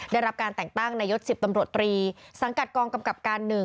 ได้รับการแต่งตั้งนายศ๑๐ตำรวจตรีสังกัดกองกำกับการ๑